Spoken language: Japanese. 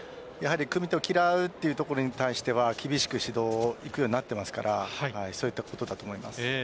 組み手を嫌うというところに対しては厳しく指導がいくようになっていますからそういったことだと思います。